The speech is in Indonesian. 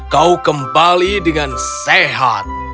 kau kembali dengan sehat